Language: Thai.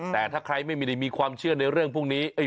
แต่ถ้าใครไม่ได้มีความเชื่อในเรื่องพวกนี้